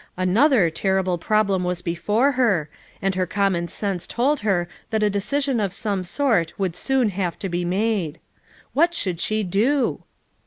Another terrible problem was before her, and her common sense told her that a de cision of some sort would soon have to be made. What should she do?